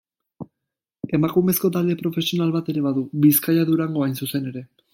Emakumezko talde profesional bat ere badu: Bizkaia-Durango hain zuzen ere.